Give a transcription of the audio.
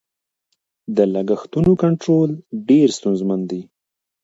د لګښتونو کنټرولول ډېر ستونزمن دي.